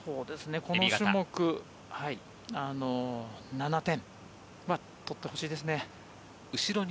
この種目７点は取ってほしいですね。